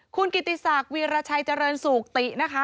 คุณกิติศักดิ์วีรชัยเจริญสุขตินะคะ